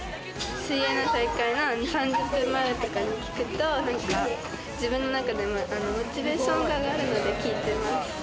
水泳の大会の２０３０分前とかに聴くと、自分の中でのモチベーションが上がるんで聴いてます。